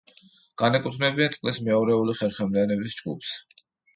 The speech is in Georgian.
განეკუთვნებიან წყლის მეორეული ხერხემლიანების ჯგუფს.